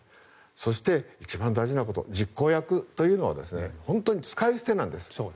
そして、一番大事なこと実行役というのは本当に使い捨てなんです。